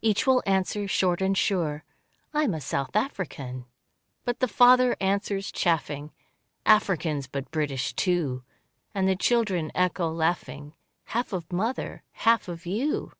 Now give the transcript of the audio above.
Each will answer, short and sure, "I am a South African." But the father answers, chaffing, "Africans but British too." And the children echo, laughing, "Half of mother half of you."